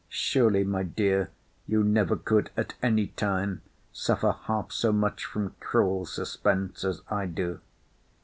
Surely, my dear, you never could, at any time, suffer half so much from cruel suspense, as I do.